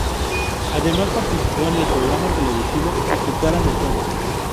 Además participó en el programa televisivo "Tu cara me suena".